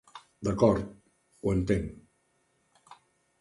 D'acord, ho entenc.